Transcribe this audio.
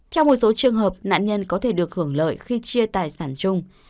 trong một số trường hợp nạn nhân có thể được hưởng lợi khi chia tài sản chung